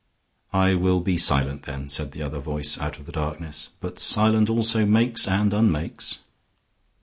"I will be silent, then," said the other voice out of the darkness. "But silence also makes and unmakes."